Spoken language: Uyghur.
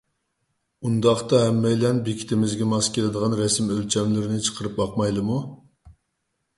ئۇنداقتا ھەممەيلەن بېكىتىمىزگە ماس كېلىدىغان رەسىم ئۆلچەملىرىنى چىقىرىپ باقمايلىمۇ؟